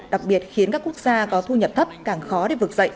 đặc biệt khiến các quốc gia có thu nhập thấp càng khó để vực dậy